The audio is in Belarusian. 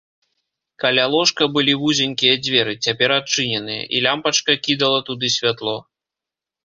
Каля ложка былі вузенькія дзверы, цяпер адчыненыя, і лямпачка кідала туды святло.